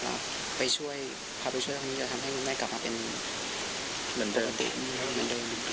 พาไปช่วยคุณที่จะทำให้คุณแม่กลับมาเป็นเหมือนเดิม